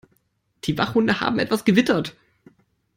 Die Wachhunde haben etwas gewittert.